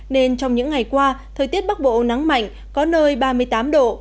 nên trong những ngày qua thời tiết bắc bộ nắng mạnh có nơi ba mươi tám độ